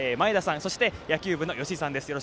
んとそして野球部のよしいさんです。